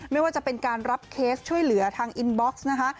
ไม่ว่าจะเป็นการรับเคสช่วยเหลือทางอินบ็อกซ์นะคะ